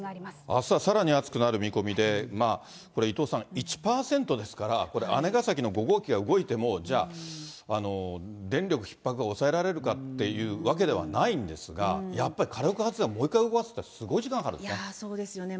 あすはさらに暑くなる見込みで、これ、伊藤さん、１％ですから、これ、姉崎の５号機が動いても、じゃあ、電力ひっ迫が抑えられるかっていうわけではないんですが、やっぱり火力発電、もう一回動かすって、そうですよね。